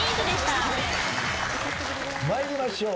参りましょう。